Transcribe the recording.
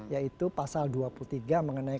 yaitu pasal dua puluh tiga mengenai